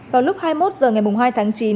vào lúc hai mươi một h ngày một